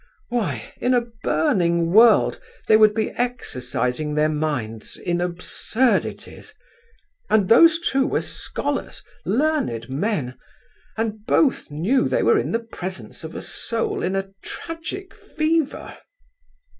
Why, in a burning world they would be exercising their minds in absurdities! And those two were scholars, learned men! And both knew they were in the presence of a soul in a tragic fever!